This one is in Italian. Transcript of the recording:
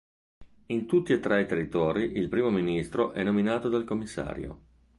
In tutti e tre i territori il primo ministro è nominato dal commissario.